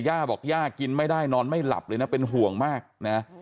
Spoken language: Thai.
ย่าบอกย่ากินไม่ได้นอนไม่หลับเลยนะเป็นห่วงมากนะ